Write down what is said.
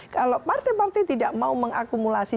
kalau partai partai tidak mau mengakumulasi